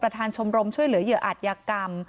ประธานชมรมช่วยเหลือเหยื่ออาจยกรรม